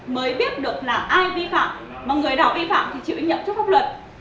mới biết được là ai vi phạm mà người nào vi phạm thì chịu ích nhậm trước pháp luật